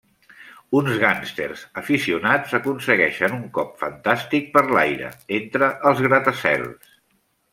Uns gàngsters aficionats aconsegueixen un cop fantàstic per l'aire, entre els gratacels.